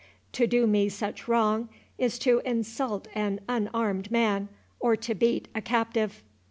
To do me such wrong is to insult an unarmed man, or to beat a captive."